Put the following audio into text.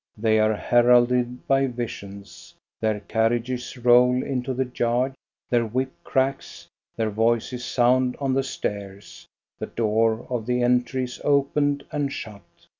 They are heralded by visions. Their carriages roll into the yard, their whip cracks, their voices sound on the stairs, the door of the entry is opened and shut.